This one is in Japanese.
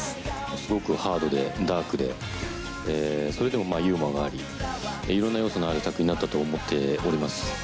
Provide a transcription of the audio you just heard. すごくハードでダークでそれでもユーモアがあり色んな要素のある作品になったと思っております。